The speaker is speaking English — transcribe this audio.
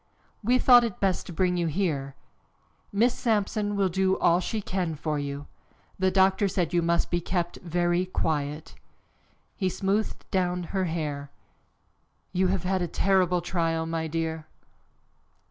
"We thought it best to bring you here. Miss Sampson will do all she can for you. The doctor said you must be kept very quiet." He smoothed down her hair. "You have had a terrible trial, my dear."